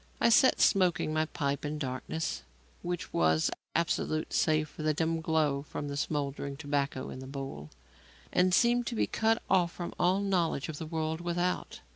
I sat smoking my pipe in darkness which was absolute save for the dim glow from the smouldering tobacco in the bowl, and seemed to be cut off from all knowledge of the world without.